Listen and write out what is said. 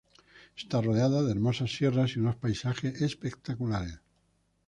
Está rodeada de hermosas sierras y unos paisajes espectaculares.